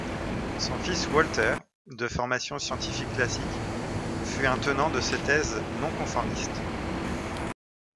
Son fils Walter, de formation scientifique classique, fut un tenant de ses thèses non-conformistes.